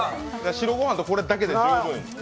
白ご飯とこれだけで十分。